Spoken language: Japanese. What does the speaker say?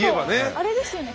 あれですよね